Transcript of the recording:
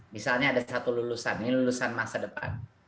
misalnya ada satu lulusan ini lulusan masa depan